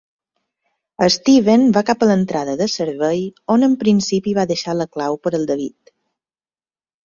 Steven va cap a l'entrada de servei on en principi va deixar la clau per al David.